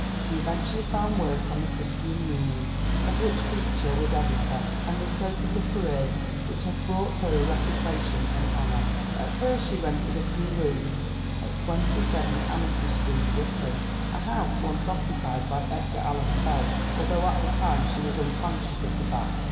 She eventually found work on the Christian Union, of which Beecher was editor, and this opened a career which has brought her a reputation and honor. At first she rented a few rooms at 27 Amity Street, Brook lyn, a house once occupied by Edgar Allan Poe, al though at the time she was unconscious of the fact.